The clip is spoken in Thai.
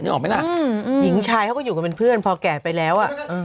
อื้อหญิงชายเค้าก็อยู่กันเป็นเพื่อนพอแก่ไปแล้ว